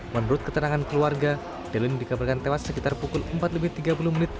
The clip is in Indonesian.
menurut keterangan keluarga delin dikabarkan tewas sekitar pukul empat lebih tiga puluh menit